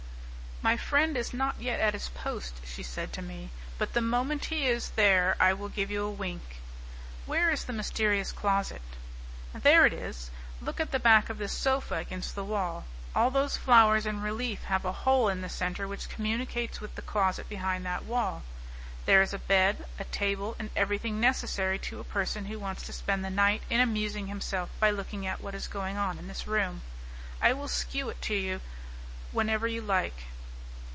"My friend is not yet at his post," she said to me, "but the moment he is there I will give you a wink." "Where is the mysterious closet?" "There it is. Look at the back of this sofa against the wall. All those flowers in relief have a hole in the centre which communicates with the closet behind that wall. There is a bed, a table, and everything necessary to a person who wants to spend the night in amusing himself by looking at what is going on in this room. I will shew it to you whenever you like."